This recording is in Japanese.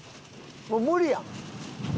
もう無理や。